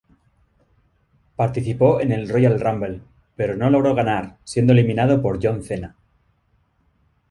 Participó en el Royal Rumble, pero no logró ganar, siendo eliminado por John Cena.